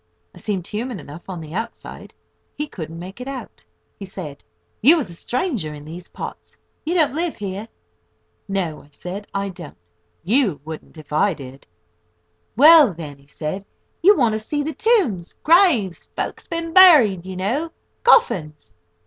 I seemed human enough on the outside: he couldn't make it out. He said: "Yuise a stranger in these parts? You don't live here?" [Picture: Graves] "No," I said, "I don't. You wouldn't if I did." "Well then," he said, "you want to see the tombs—graves—folks been buried, you know—coffins!"